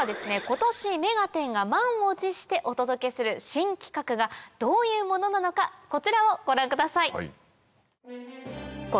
今年『目がテン！』が満を持してお届けする新企画がどういうものなのかこちらをご覧ください。